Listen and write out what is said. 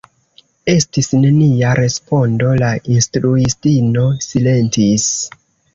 Estis nenia respondo, la instruistino silentis.